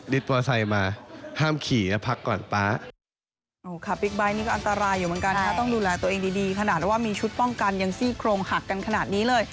ยึดตัวใสมาห้ามขี่แล้วพักก่อนป๊า